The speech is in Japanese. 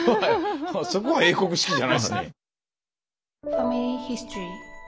そこは英国式じゃないですね。